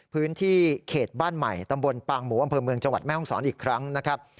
พื้นที่เขตบ้านใหม่ตำบลปางหมูอำเภอเมืองจังหวัดแม่ห้องศรอีกครั้งนะครับ